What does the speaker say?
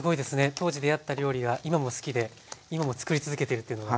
当時出会った料理が今も好きで今もつくり続けているっていうのが。